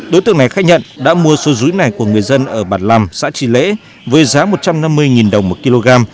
đối tượng này khai nhận đã mua số rúi này của người dân ở bản làm xã tri lễ với giá một trăm năm mươi đồng một kg